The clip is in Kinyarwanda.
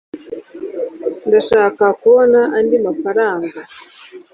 ndashaka kubona andi mafaranga